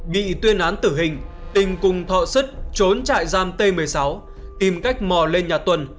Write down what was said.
bị tuyên án tử hình tình cùng thọ sứt trốn trại giam t một mươi sáu tìm cách mò lên nhà tuần